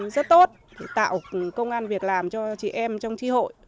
rất tốt tạo công an việc làm cho chị em trong tri hội